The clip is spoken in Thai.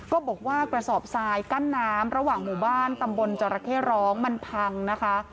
ก็บอกว่ากระสอบทรายกั้นน้ำระหว่างหมู่บ้านตำบลจราเข้ร้องมันพังนะคะ